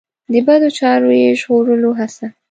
د بدو چارو یې ژغورلو هڅه.